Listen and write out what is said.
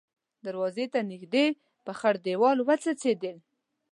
دروازې ته نږدې پر خړ دېوال وڅڅېدې.